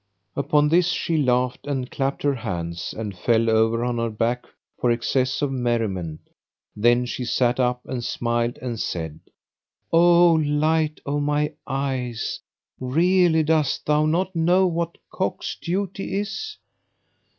Upon this she laughed and clapped her hands and fell over on her back for excess of merriment then she sat up and smiled and said, "O light of my eyes, really dost thou not know what cock's duty is?"